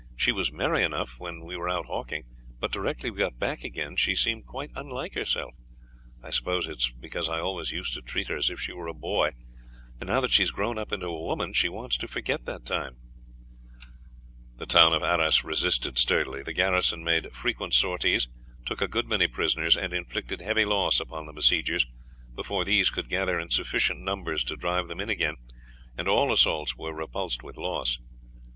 "She was merry enough when we were out hawking; but directly we got back again she seemed quite unlike herself. I suppose it is because I always used to treat her as if she were a boy, and now that she has grown up into a woman she wants to forget that time." The town of Arras resisted sturdily. The garrison made frequent sorties, took a good many prisoners, and inflicted heavy loss upon the besiegers before these could gather in sufficient numbers to drive them in again, and all assaults were repulsed with loss.